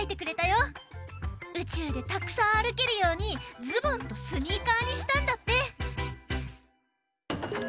うちゅうでたくさんあるけるようにズボンとスニーカーにしたんだって。